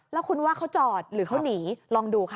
แล้วคุณว่าเขาจอดหรือเขาหนีลองดูค่ะ